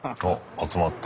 集まった。